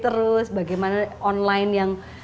terus bagaimana online yang